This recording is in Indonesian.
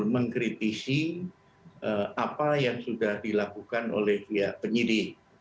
mengkritisi apa yang sudah dilakukan oleh pihak penyidik